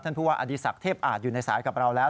ผู้ว่าอดีศักดิ์เทพอาจอยู่ในสายกับเราแล้ว